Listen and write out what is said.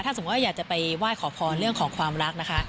สมมุติว่าอยากจะไปไหว้ขอพรเรื่องของความรักนะคะ